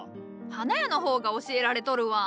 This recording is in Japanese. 花屋の方が教えられとるわ。